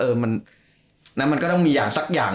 มันก็ต้องมีอย่างสักอย่าง